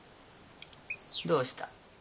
どうした？